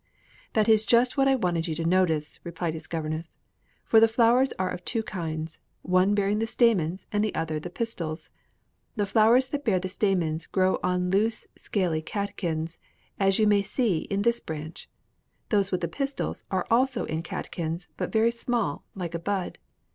"' "That is just what I wanted you to notice," replied his governess, "for the flowers are of two kinds, one bearing the stamens, and the other the pistils. The flowers that bear the stamens grow on loose scaly catkins, as you may see in this branch. Those with the pistils are also in catkins, but very small, like a bud.